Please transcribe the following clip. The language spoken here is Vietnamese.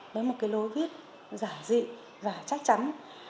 với một cái lối viết giả dị và chắc chắn